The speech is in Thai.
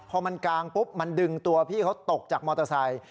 พอมันกางปุ๊บมันดึงตัวพี่เขาตกจากมอเตอร์ไซค์